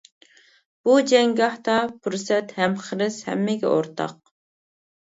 بۇ جەڭگاھتا پۇرسەت ھەم خىرىس ھەممىگە ئورتاق.